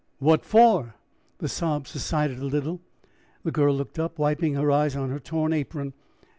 "What for?" The sobs subsided a little and the girl looked up, wiping her eyes on her torn apron.